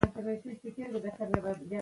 وردوګو ولايت اته ولسوالۍ لري